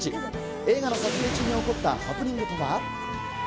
映画の撮影中に起こったハプニングとは。